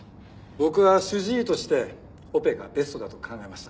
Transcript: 僕は主治医としてオペがベストだと考えました。